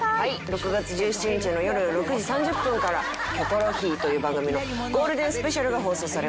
６月１７日のよる６時３０分から『キョコロヒー』という番組のゴールデンスペシャルが放送されます。